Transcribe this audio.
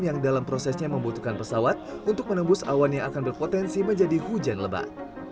yang dalam prosesnya membutuhkan pesawat untuk menembus awan yang akan berpotensi menjadi hujan lebat